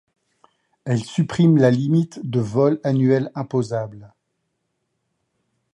Elle supprime la limite de vols annuels imposables.